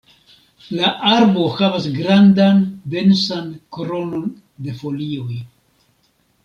La arbo havas grandan, densan kronon de folioj.